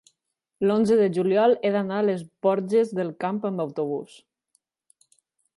l'onze de juliol he d'anar a les Borges del Camp amb autobús.